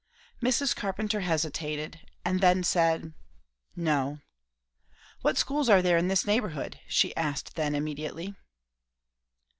Mrs. Carpenter hesitated; and then said "no." "What schools are there in this neighbourhood?" she asked then immediately.